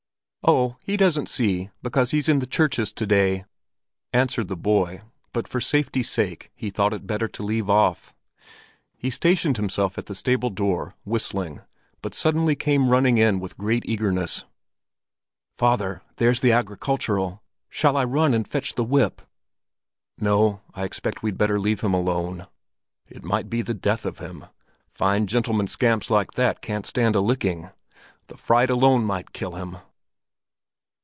"Oh, He doesn't see, because He's in the churches to day!" answered the boy; but for safety's sake he thought it better to leave off. He stationed himself at the stable door, whistling, but suddenly came running in with great eagerness: "Father, there's the Agricultural! Shall I run and fetch the whip?" "No, I expect we'd better leave him alone. It might be the death of him; fine gentlemen scamps like that can't stand a licking. The fright alone might kill him."